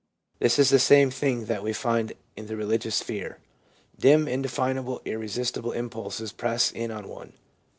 This is the same thing that we find in the religious sphere. Dim, indefinable, irre sistible impulses press in on one.